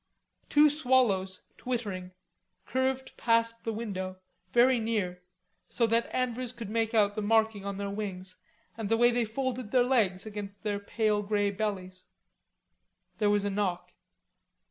Two swallows, twittering, curved past the window, very near, so that Andrews could make out the marking on their wings and the way they folded their legs against their pale grey bellies. There was a knock.